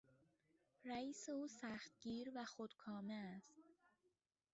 رئیس او سختگیر و خودکامه است.